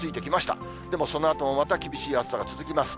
でもそのあともまた厳しい暑さが続きます。